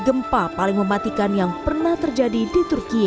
gempa paling mematikan yang pernah terjadi di turki